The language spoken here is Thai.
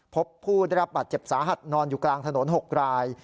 พบผู้ได้รับบาดเจ็บสาหัสนอนอยู่กลางถนน๖ราย